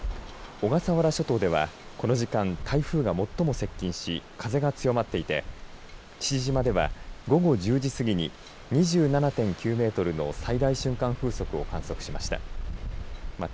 小笠原諸島ではこの時間台風が最も接近し風が強まっていて父島では午後１０時すぎに２７．９メートルの最大瞬間風速を観測しました。